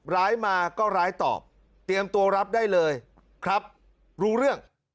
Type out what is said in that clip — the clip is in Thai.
ร้ายมาก็ร้ายตอบเตรียมตัวรับได้เลยครับรู้เรื่อง